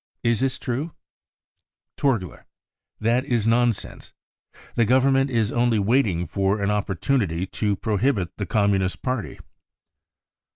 Is this true ? 9 " Torgler : 4 That is nonsense. The Government is only waiting for such an opportunity *to prohibit the Com munist Party.